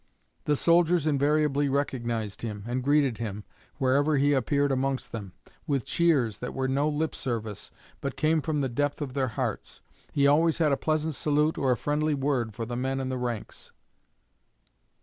The soldiers invariably recognized him, and greeted him, wherever he appeared amongst them, with cheers that were no lip service, but came from the depth of their hearts. He always had a pleasant salute or a friendly word for the men in the ranks."